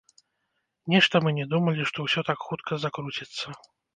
Нешта мы не думалі, што ўсё так хутка закруціцца.